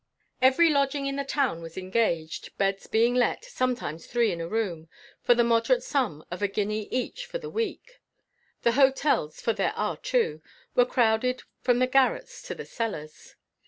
Every lodging in the town was engaged, beds being let, sometimes three in a room, for the moderate sum of a guinea each for the week. The hotels, for there are two, were crowded from the garrets to the cellars.